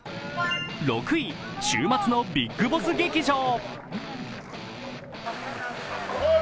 ６位、週末のビッグボス劇場。